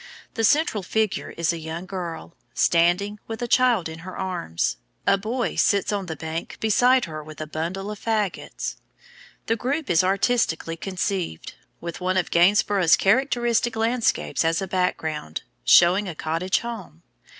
The central figure is a young girl, standing, with a child in her arms; a boy sits on the bank beside her with a bundle of fagots. The group is artistically conceived, with one of Gainsborough's characteristic landscapes as a background, showing a cottage home.